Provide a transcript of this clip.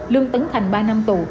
lương tấn thành ba năm tù